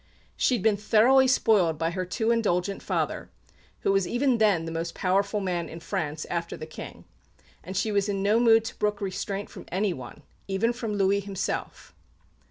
She had been thoroughly spoiled by her too indulgent father, who was even then the most powerful man in France after the King; and she was in no mood to brook restraint from anyone, even from Louis himself.